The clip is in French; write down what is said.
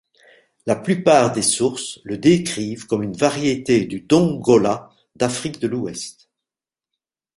La plupart des sources le décrivent comme une variété du Dongola d'Afrique de l'Ouest.